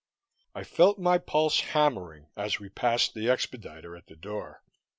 I felt my pulse hammering as we passed the expediter at the door.